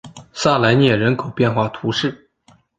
萨莱涅人口变化图示